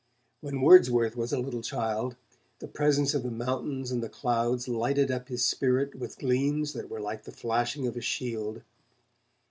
When Wordsworth was a little child, the presence of the mountains and the clouds lighted up his spirit with gleams that were like the flashing of a shield.